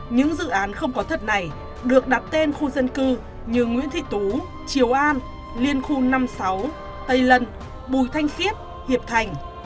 những dự án không có thật này được đặt tên khu dân cư như nguyễn thị tú chiều an liên khu năm mươi sáu tây lân bùi thanh siết hiệp thành